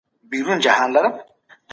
د ټولني اصلاح زموږ ګډه دنده ده.